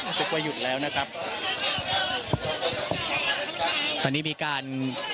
นะครับหยุดแล้วนะครับ